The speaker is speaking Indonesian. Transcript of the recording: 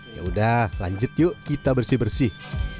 yaudah lanjut yuk kita bersih bersih